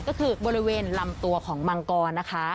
ก็คือบริเวณลำตัวของมังกรนะคะ